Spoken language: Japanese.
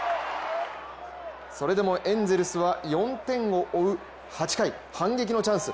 それでもエンゼルスは４点を追う８回、反撃のチャンス。